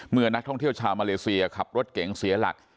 เมื่อนักท่องเที่ยวชาวมาเลเซียขับรถเก๋งเสียหลัก